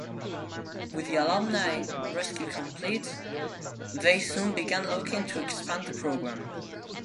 With the alumni rescue complete, they soon began looking to expand the program.